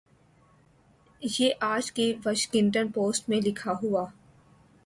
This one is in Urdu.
یہ آج کی واشنگٹن پوسٹ میں لکھا ہوا ۔